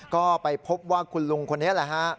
ก็ไปพบว่าคุณลุงคนนี้แหละฮะ